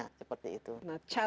nah challenge mungkin terakhir